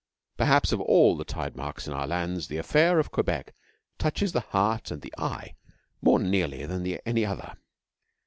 Perhaps of all the tide marks in all our lands the affair of Quebec touches the heart and the eye more nearly than any other.